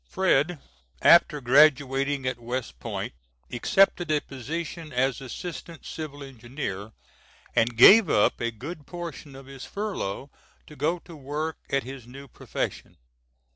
Fred. after graduating at West Point accepted a position as assistant civil engineer, and gave up a good portion of his furlough to go to work at his new profession.